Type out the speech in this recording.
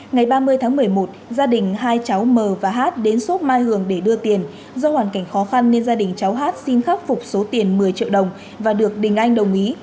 ngày ba mươi tháng một mươi một gia đình hai cháu m và hát đến xốp mai hường để đưa tiền do hoàn cảnh khó khăn nên gia đình cháu hát xin khắc phục số tiền một mươi triệu đồng và được đình anh đồng ý